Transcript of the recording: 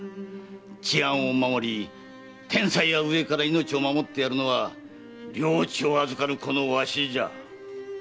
治安を守り天災や飢えから命を守ってやるのは領地を預かるこのわしじゃ。